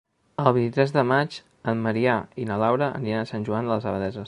El vint-i-tres de maig en Maria i na Laura aniran a Sant Joan de les Abadesses.